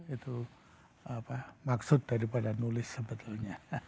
itu maksud daripada nulis sebetulnya